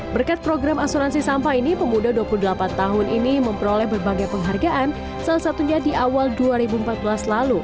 berkat program asuransi sampah ini pemuda dua puluh delapan tahun ini memperoleh berbagai penghargaan salah satunya di awal dua ribu empat belas lalu